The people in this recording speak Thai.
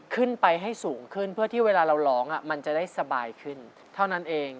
ขึ้นไปให้สูงขึ้นเพื่อที่เวลาเราร้องมันจะได้สบายขึ้นเท่านั้นเอง